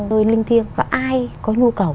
nơi linh tiêng và ai có nhu cầu